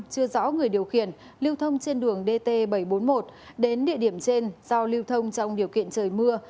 chưa rõ người điều khiển lưu thông trên đường dt bảy trăm bốn mươi một đến địa điểm trên do lưu thông trong điều kiện trời mưa